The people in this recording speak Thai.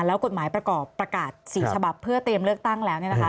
แล้วกฎหมายประกอบประกาศ๔ฉบับเพื่อเตรียมเลือกตั้งแล้ว